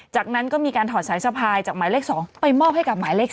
จากนั้นก็มีการถอดสายสะพายจากหมายเลข๒ไปมอบให้กับหมายเลข๓